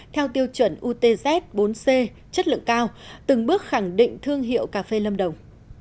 theo tiêu chuẩn utz bốn c chất lượng cao từng bước khẳng định thương hiệu cà phê lâm đồng